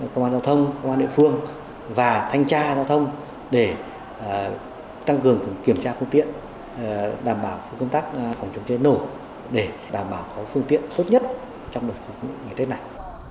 công an giao thông công an địa phương và thanh tra giao thông để tăng cường kiểm tra phương tiện đảm bảo công tác phòng chống chế nổ để đảm bảo có phương tiện tốt nhất trong đợt phục vụ ngày tết này